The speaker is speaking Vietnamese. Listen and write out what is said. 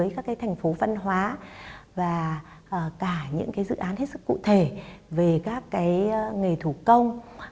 các thành phố văn hóa và cả những dự án hết sức cụ thể về các nghề thủ công